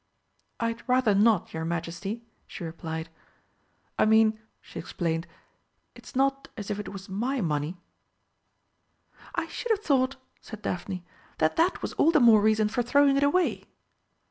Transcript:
"I'd rather not, your Majesty," she replied. "I mean," she explained, "it's not as if it was my money." "I should have thought," said Edna, "that that was all the more reason for throwing it away."